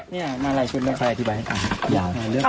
นี่มาไลน์คุณได้ไงอธิบายให้อ่าน